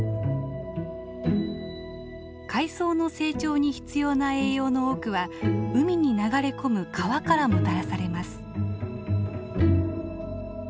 海藻の成長に必要な栄養の多くは海に流れ込む川からもたらされます。